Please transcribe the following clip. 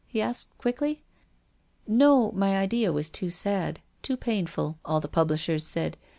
" he asked quickly. "No. It was too sad, 'too painful,' all the publishers said.